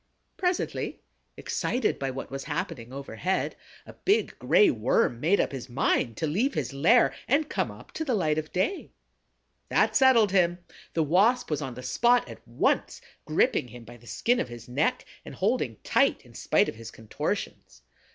Presently, excited by what was happening overhead, a big Gray Worm made up his mind to leave his lair and come up to the light of day. That settled him: the Wasp was on the spot at once, gripping him by the skin of his neck and holding tight in spite of his contortions.